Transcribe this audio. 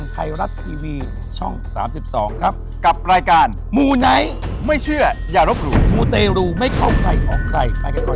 โปรดติดตามตอนต่อไป